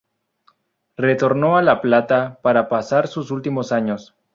Retornó a La Plata para pasar sus últimos años.